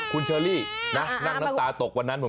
คุณเชอรี่นะนั่งน้ำตาตกวันนั้นผม